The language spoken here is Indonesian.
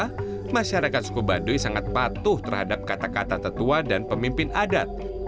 karena masyarakat suku baduy sangat patuh terhadap kata kata tetua dan pemimpin adat